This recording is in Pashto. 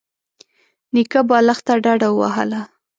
نيکه بالښت ته ډډه ووهله.